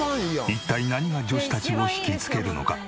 一体何が女子たちを引きつけるのか？